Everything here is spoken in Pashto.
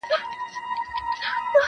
بېګا خوب وینمه تاج پر سر پاچا یم,